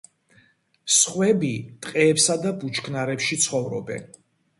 სხვები ტყეებსა და ბუჩქნარებში ცხოვრობენ.